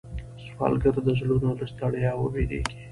سوالګر د زړونو له ستړیا ویریږي